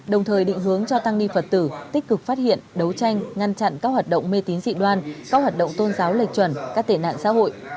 đồng thời định hướng cho tăng ni phật tử tích cực phát hiện đấu tranh ngăn chặn các hoạt động mê tín dị đoan các hoạt động tôn giáo lệch chuẩn các tệ nạn xã hội